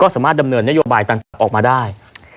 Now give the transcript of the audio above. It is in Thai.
สามารถดำเนินนโยบายต่างออกมาได้